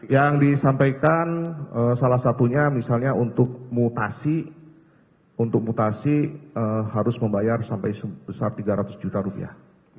yang disampaikan salah satunya misalnya untuk mutasi untuk mutasi harus membayar sampai sebesar tiga ratus juta rupiah